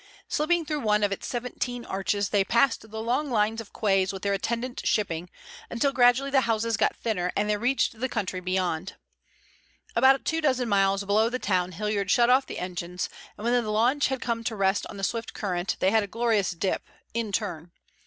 Slipping through one of its seventeen arches, they passed the long lines of quays with their attendant shipping, until gradually the houses got thinner and they reached the country beyond. About a dozen miles below the town Hilliard shut off the engines, and when the launch had come to rest on the swift current they had a glorious dip—in turn.